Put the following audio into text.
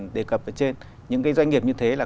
đề cập ở trên những cái doanh nghiệp như thế là